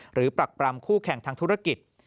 ปรักปรำคู่แข่งทางธุรกิจ